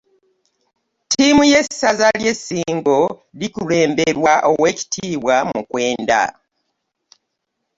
Ttiimu y'essaza ly'e Ssingo likulemberwa oweekitiibwa Mukwenda